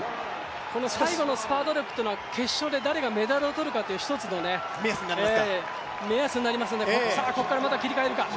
最後のスパート力は決勝で誰がメダルを取るかの一つの目安になりますんでここからまた切り替えるか。